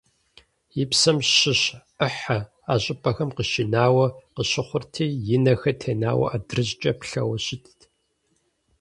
И псэм щыщ Ӏыхьэ а щӀыпӀэхэм къыщинауэ къыщыхъурти, и нэхэр тенауэ адрыщӀкӀэ плъэуэ щытт.